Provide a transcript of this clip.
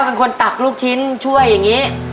เป็นคนตักลูกชิ้นช่วยอย่างนี้